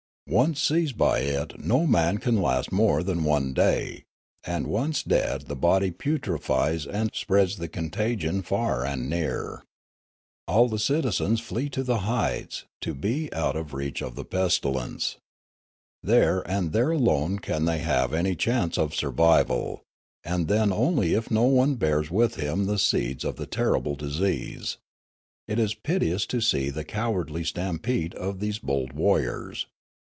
Once seized by it no man can last more than one day ; and once dead the body putrefies and spreads the contagion far and near. All the citizens flee to the heights, to be out of reach of the pestilence. There and there alone can they have any chance of survival, and then only if no one bears with him the seeds of the terrible disease. It is piteous to see the cowardly stampede of these bold warriors.